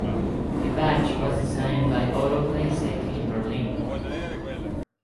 The badge was designed by Otto Placzeck in Berlin.